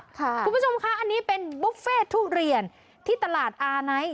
คุณผู้ชมคะอันนี้เป็นบุฟเฟ่ทุเรียนที่ตลาดอาไนท์